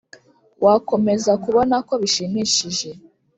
wakomeza kubonako bishimishije